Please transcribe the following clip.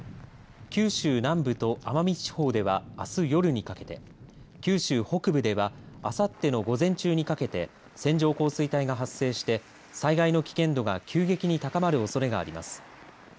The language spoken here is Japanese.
九州南部と奄美地方ではあす夜にかけて九州北部ではあさっての午前中にかけて線状降水帯が発生して災害の危険度が急激に高まるおそれがあります。